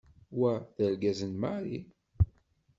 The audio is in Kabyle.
Wa d argaz n Mary.